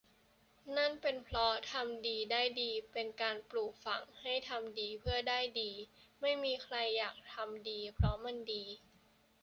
นั่นเป็นเพราะ ทำดีได้ดี เป็นการปลูกฝังให้ทำดีเพื่อได้ดี ไม่มีใครอยากทำดีเพราะมันดี